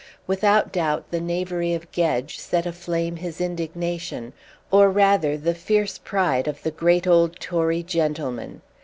Without doubt the knavery of Gedge set aflame his indignation or rather the fierce pride of the great old Tory gentleman.